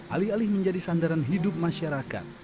alih alih menjadi sandaran hidup masyarakat